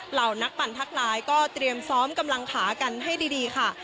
เหล่านักปั่นทักร้ายก็เตรียมซ้อมกำลังขากันให้ดีค่ะ